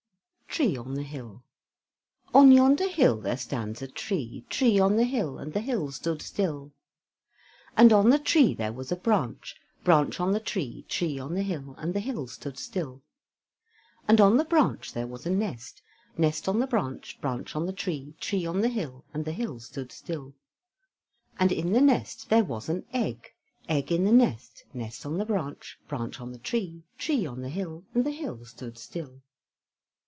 TREE ON THE HILL On yonder hill there stands a tree; Tree on the hill, and the hill stood still. And on the tree there was a branch; Branch on the tree, tree on the hill, and the hill stood still. And on the branch there was a nest; Nest on the branch, branch on the tree, tree on the hill, and the hill stood still. And in the nest there was an egg; Egg in the nest, nest on the branch, branch on the tree, tree on the hill, and the hill stood still.